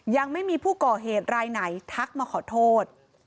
ยังไม่มีผู้ก่อเหตุรายไหนทักมาขอโทษ